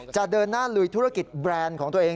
จะเดินหน้าลุยธุรกิจแบรนด์ของตัวเอง